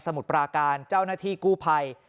มุดปราการเจ้าหน้าที่กู้ภัย